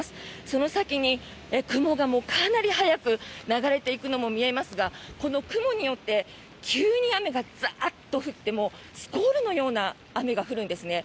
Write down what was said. その先の雲が、かなり早く流れていくのも見えますがこの雲によって急に雨がザッと降ってスコールのような雨が降るんですね。